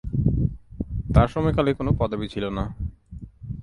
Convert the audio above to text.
তার সময়কালে কোন পদবি ছিলো না।